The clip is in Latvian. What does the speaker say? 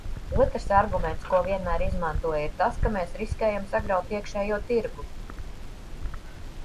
Otrs arguments, ko vienmēr izmanto, ir tas, ka mēs riskējam sagraut iekšējo tirgu.